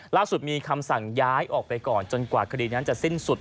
ล่าสุดมีคำสั่งย้ายออกไปก่อนจนกว่าคดีนั้นจะสิ้นสุด